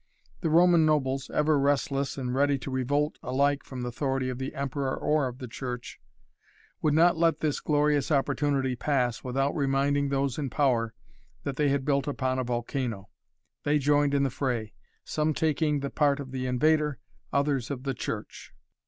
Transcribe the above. The Roman nobles, ever restless and ready to revolt alike from the authority of the Emperor or of the Church, would not let this glorious opportunity pass without reminding those in power that they had built upon a volcano. They joined in the fray, some taking the part of the invader, others of the Church.